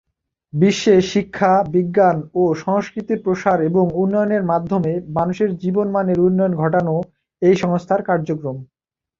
বিশ্বে শিক্ষা, বিজ্ঞান ও সংস্কৃতির প্রসার এবং উন্নয়নের মাধ্যমে মানুষের জীবন মানের উন্নয়ন ঘটানো এই সংস্থার কার্যক্রম।